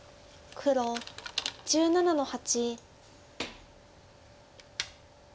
黒１７の九。